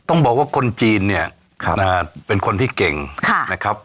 ต้องบอกว่าคนจีนเนี่ยนะฮะเป็นคนที่เก่งนะครับ